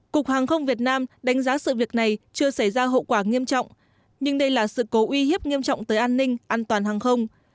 cục hàng không việt nam đánh giá sự việc này chưa xảy ra hậu quả nghiêm trọng nhưng đây là sự cố uy hiếp nghiêm trọng tới an ninh an toàn hàng không